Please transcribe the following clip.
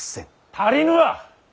足りぬわ。